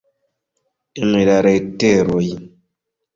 En la leteroj.